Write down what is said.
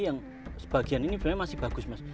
yang sebagian ini sebenarnya masih bagus mas